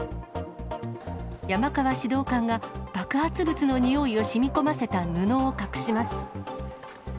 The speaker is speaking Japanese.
山川指導官が、爆発物のにおいをしみこませた布を隠します。